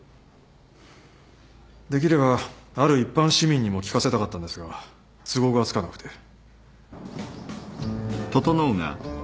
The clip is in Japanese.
できればある一般市民にも聞かせたかったんですが都合がつかなくて。